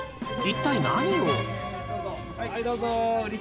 一体何を？